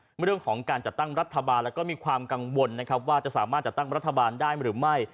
เรื่องของการจัดตั้งรัฐบาลแล้วก็มีความกังวลนะครับว่าจะสามารถจัดตั้งรัฐบาลได้หรือไม่